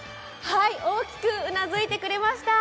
大きくうなずいてくれました。